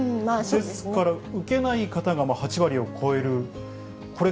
ですから受けない方が８割を超える。